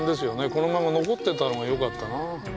このまま残ってたのがよかったな。